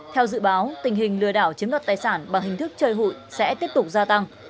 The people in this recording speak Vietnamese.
theo dự báo tình hình lừa đảo chiếm đoạt tài sản bằng hình thức chơi hụi sẽ tiếp tục gia tăng